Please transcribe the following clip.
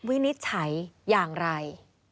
วินิจฉัยอย่างไร